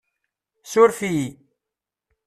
Suref-iyi!